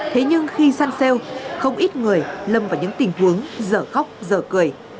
thế nhưng khi săn sale không ít người lâm vào những tình huống dở khóc dở cười